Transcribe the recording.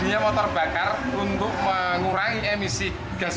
dia motor bakar untuk mengurangi emisi gas